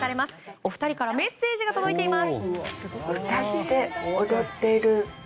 お二人からメッセージが届いています。